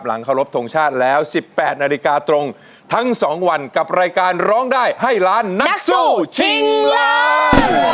เคารพทงชาติแล้ว๑๘นาฬิกาตรงทั้ง๒วันกับรายการร้องได้ให้ล้านนักสู้ชิงล้าน